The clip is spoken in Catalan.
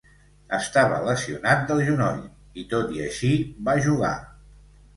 Estava lesionat del genoll i, tot i així, va jugar.